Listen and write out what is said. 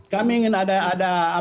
kami ingin ada evaluasi